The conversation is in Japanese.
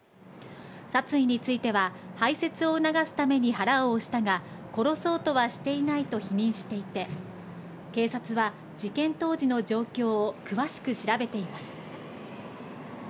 殺意については、排せつを促すために腹を押したが、殺そうとはしていないと否認していて、警察は、事件当時の状況を詳しく調べています。